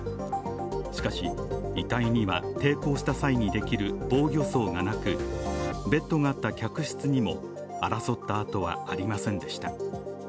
しかし、遺体には抵抗した際にできる防御創がなく、ベッドがあった客室にも争ったあとはありませんでした。